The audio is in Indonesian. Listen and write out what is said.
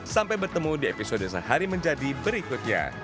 sampai bertemu di episode sehari menjadi berikutnya